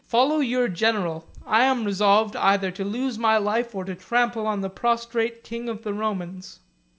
Follow your general I am resolved either to lose my life, or to trample on the prostrate king of the Romans."